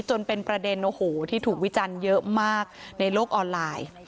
จนเป็นประเด็นที่ถูกวิจันเยอะมากในโลกออนไลน์